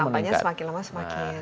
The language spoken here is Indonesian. tampaknya semakin lama semakin meningkat